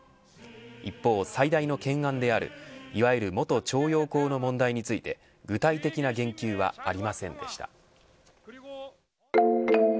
一方、最大の懸案であるいわゆる元徴用工の問題について具体的な言及はありませんでした。